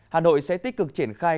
hà nội sẽ tích cực triển khai